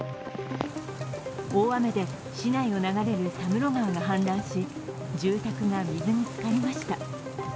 大雨で市内を流れる佐室川が氾濫し住宅が水につかりました。